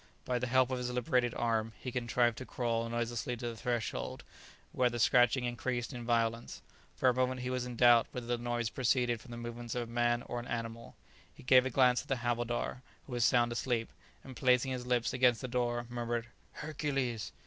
By the help of his liberated arm he contrived to crawl noiselessly to the threshold, where the scratching increased in violence. For a moment he was in doubt whether the noise proceeded from the movements of a man or an animal. He gave a glance at the havildar, who was sound asleep, and placing his lips against the door murmured "Hercules!"